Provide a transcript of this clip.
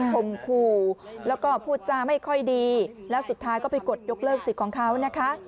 คมคู่แล้วก็พูดจาไม่ค่อยดีแล้วสุดท้ายก็ไปกดยกเลิกสิทธิ์ของเขานะคะ